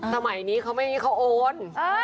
สมัยนี้เค้าโอน